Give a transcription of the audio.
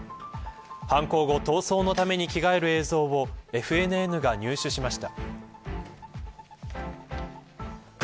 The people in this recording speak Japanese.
犯行後、逃走のために着替える映像をＦＮＮが入手しました。